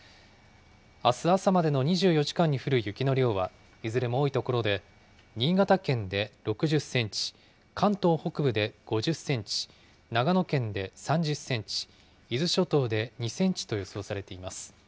あす朝までの２４時間に降る雪の量は、いずれも多い所で、新潟県で６０センチ、関東北部で５０センチ、長野県で３０センチ、伊豆諸島で２センチと予想されています。